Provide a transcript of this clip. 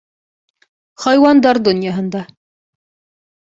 Хайуандар донъяһында